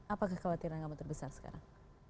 apa kekhawatiran kamu terbesar sekarang